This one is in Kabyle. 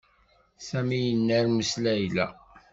Sami yennermes Layla.